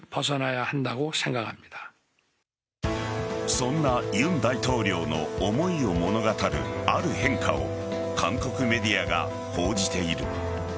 そんな尹大統領の思いを物語るある変化を韓国メディアが報じている。